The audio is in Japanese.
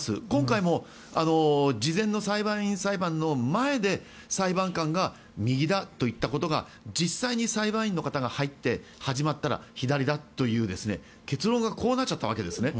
今回も事前の裁判員裁判の前で裁判官が右だといったことが実際に裁判員の方が入って始まったら左だという結論がこうなっちゃったわけです。